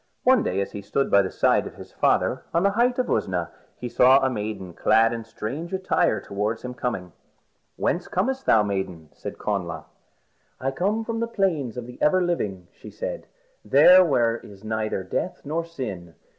One day as he stood by the side of his father on the height of Usna, he saw a maiden clad in strange attire coming towards him. "Whence comest thou, maiden?" said Connla. "I come from the Plains of the Ever Living," she said, "there where there is neither death nor sin.